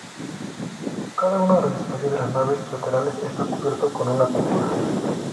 Cada uno de los espacios de las naves laterales está cubierto con una cúpula.